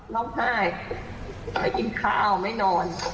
ร้องไห้ไม่กินข้าวไม่นอน